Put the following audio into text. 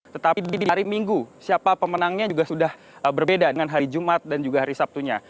tetapi di hari minggu siapa pemenangnya juga sudah berbeda dengan hari jumat dan juga hari sabtunya